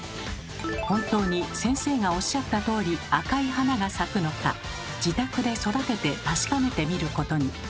本当に先生がおっしゃったとおり赤い花が咲くのか自宅で育てて確かめてみることに。